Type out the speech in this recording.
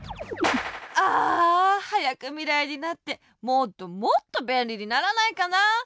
あはやくみらいになってもっともっとべんりにならないかな。